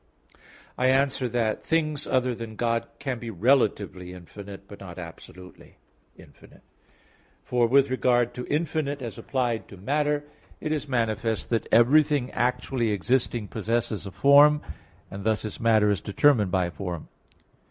I answer that, Things other than God can be relatively infinite, but not absolutely infinite. For with regard to infinite as applied to matter, it is manifest that everything actually existing possesses a form; and thus its matter is determined by form.